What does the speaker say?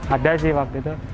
ada sih waktu itu